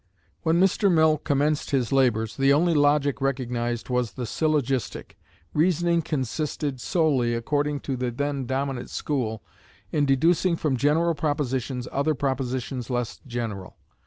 When Mr. Mill commenced his labors, the only logic recognized was the syllogistic. Reasoning consisted solely, according to the then dominant school, in deducing from general propositions other propositions less general.